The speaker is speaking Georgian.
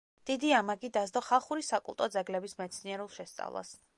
დიდი ამაგი დასდო ხალხური საკულტო ძეგლების მეცნიერულ შესწავლას.